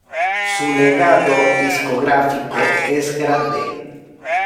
Su legado discográfico es grande.